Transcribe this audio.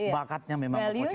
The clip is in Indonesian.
bakatnya memang oposisi